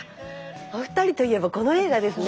お二人といえばこの映画ですね。